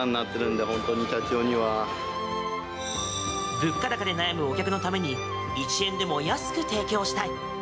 物価高で悩むお客のために１円でも安く提供したい。